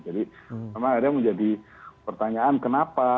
jadi memang ada menjadi pertanyaan kenapa